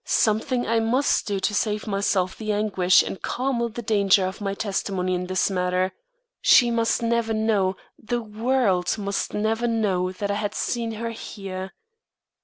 Something I must do to save myself the anguish and Carmel the danger of my testimony in this matter. She must never know, the world must never know that I had seen her here.